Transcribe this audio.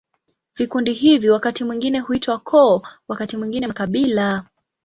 Vikundi hivi wakati mwingine huitwa koo, wakati mwingine makabila.